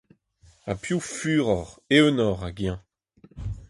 Ha piv furoc’h, eeunoc’h hag eñ ?…